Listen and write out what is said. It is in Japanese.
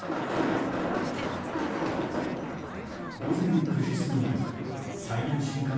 午前９時過ぎに最大瞬間